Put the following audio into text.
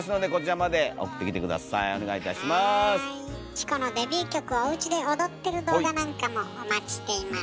チコのデビュー曲をおうちで踊ってる動画なんかもお待ちしています。